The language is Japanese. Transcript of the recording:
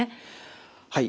はい。